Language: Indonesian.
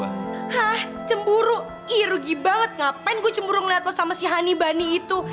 hah cemburu irugi banget ngapain gue cemburu ngeliat loh sama si hani bani itu